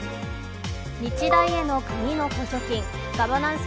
日大への国の補助金ガバナンス